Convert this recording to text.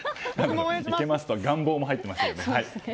いけますと願望も入ってましたね。